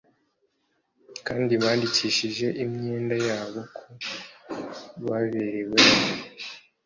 kandi bandikishije imyenda yabo Ku baberewemo